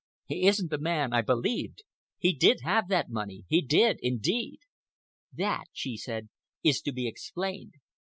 He isn't the man I believed. He did have that money—he did, indeed." "That," she said, "is to be explained.